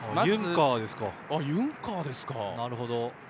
あ、ユンカーですか。